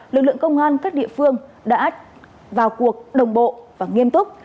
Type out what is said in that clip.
lực lượng công an các địa phương đã vào cuộc đồng bộ và nghiêm túc